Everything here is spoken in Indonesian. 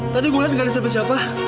tadi gue liat gak ada siapa siapa